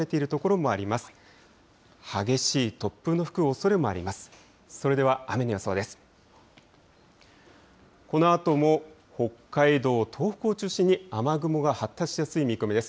このあとも北海道、東北を中心に、雨雲が発達しやすい見込みです。